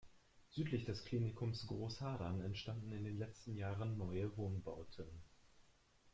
Südlich des Klinikums Großhadern entstanden in den letzten Jahren neue Wohnbauten.